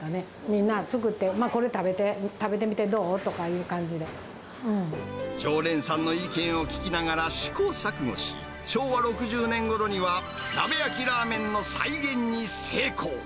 みんな作って、これ、食べて、常連さんの意見を聞きながら試行錯誤し、昭和６０年ごろには鍋焼きラーメンの再現に成功。